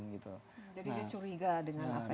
jadi dia curiga dengan apa yang di sekitarnya